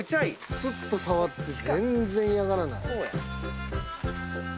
スッと触って全然嫌がらない。